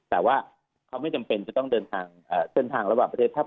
แต่ว่าไม่จำเป็นว่าจะต้องเดินทางระหว่างประเทศ